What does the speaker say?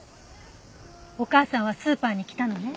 お母さんはスーパーに来たのね？